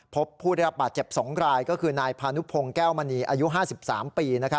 พบผู้ได้รับบาดเจ็บ๒รายก็คือนายพานุพงศ์แก้วมณีอายุ๕๓ปี